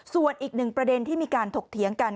ส่วนอีกหนึ่งประเด็นที่มีการถกเถียงกัน